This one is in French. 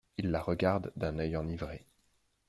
Il la regarde d’un œil enivré.